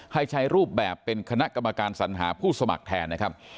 ให้ใช้รูปแบบเป็นคณะกรรมการสัญหาผู้สมัครแทนนะครับ